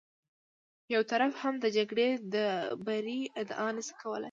یو طرف هم د جګړې د بري ادعا نه شي کولی.